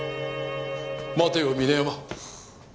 待てよ峰山。